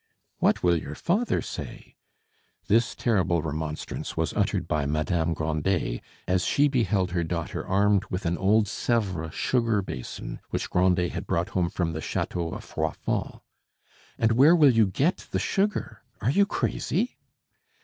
"What will your father say?" This terrible remonstrance was uttered by Madame Grandet as she beheld her daughter armed with an old Sevres sugar basin which Grandet had brought home from the chateau of Froidfond. "And where will you get the sugar? Are you crazy?"